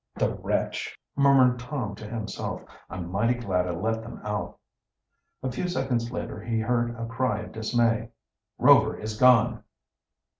"The wretch!" murmured Tom to himself. "I'm mighty glad I let them out!" A few seconds later he heard a cry of dismay. "Rover is gone!"